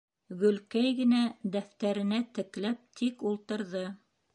Гөлкәй генә дәфтәренә текләп тик ултырҙы.